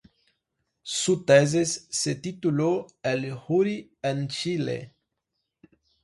Su tesis se tituló ""El Juri en Chile"".